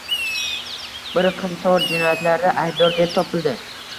Bir qator jinoyatlarda aybdor deb topildi